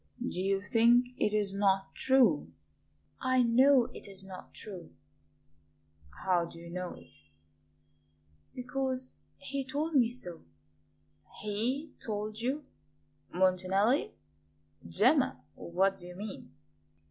Do you think it is not true?" "I know it is not true." "How do you know it?" "Because he told me so." "HE told you? Montanelli? Gemma, what do you mean?"